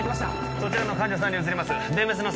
そちらの患者さんに移ります